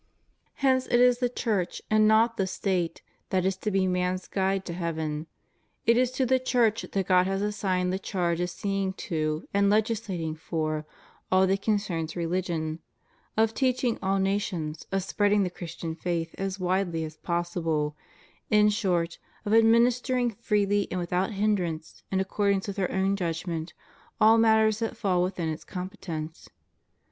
* Hence it is the Church, and not the State, that is to be man's guide to heaven. It is to the Church that God has assigned the charge of seeing to, and legislating for, all that concerns religion; of teaching all nations; of spreading the Christian faith as widely as possible; in short, of administering freely and without hindrance, in accordance with her own judgment, all matters that fall within its competence.